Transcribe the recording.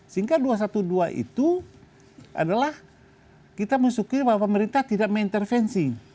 sehingga dua ratus dua belas itu adalah kita mensyukur bahwa pemerintah tidak mengintervensi